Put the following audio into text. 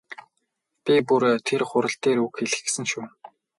Би бүр тэр хурал дээр үг хэлэх гэсэн шүү.